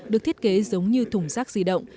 được thiết kế giống như thùng rác di động